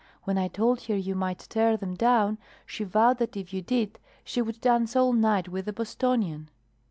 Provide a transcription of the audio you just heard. When I told her you might tear them down, she vowed that if you did she would dance all night with the Bostonian."